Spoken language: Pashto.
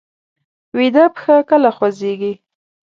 ویده پښه کله خوځېږي